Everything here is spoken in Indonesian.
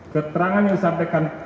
keterangan yang disampaikan